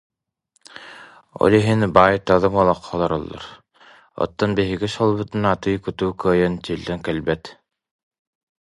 Ол иһин баай-талым олоххо олороллор, оттон биһиги суолбутунан атыы-кутуу кыайан тиэллэн кэлбэт